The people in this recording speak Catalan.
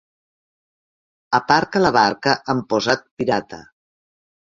Aparca la barca amb posat pirata.